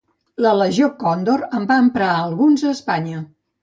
La Legió Còndor en va emprar alguns a Espanya.